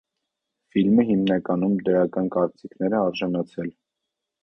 Ֆիլմը հիմնականում դրական կարծիքների է արժանացել։